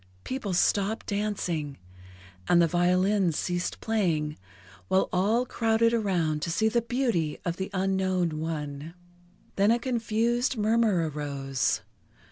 People stopped dancing, and the violins ceased playing, while all crowded around to see the beauty of the unknown one. Then a confused murmur arose.